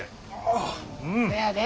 そやで？